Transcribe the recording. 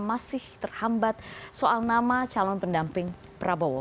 masih terhambat soal nama calon pendamping prabowo